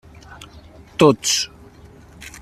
Tots.